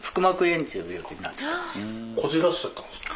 こじらせちゃったんですか？